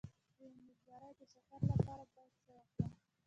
د امیدوارۍ د شکر لپاره باید څه وکړم؟